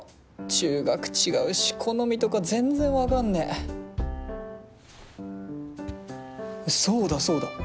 中学違うし好みとか全然分かんねえそうだそうだ。